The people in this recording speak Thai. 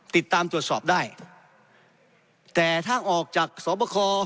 ติดตามตรวจสอบได้แต่ถ้าออกจากสอบคอ